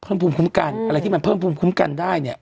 ภูมิคุ้มกันอะไรที่มันเพิ่มภูมิคุ้มกันได้เนี่ย